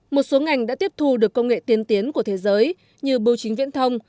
một số ngành đã tiếp thu được công nghệ tiên tiến của thế giới như bưu chính viễn thông